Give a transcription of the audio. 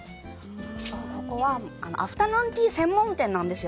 ここはアフタヌーンティー専門店なんです。